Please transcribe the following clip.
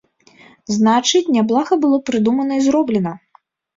Значыць, няблага было прыдумана і зроблена.